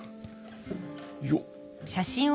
よっ。